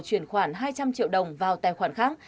chuyển khoản hai trăm linh triệu đồng vào tài khoản khác